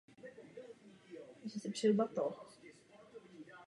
V jeho okolí se rozprostírá převážně zemědělská půda.